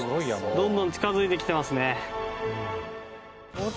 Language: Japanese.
どんどん近付いてきてますね。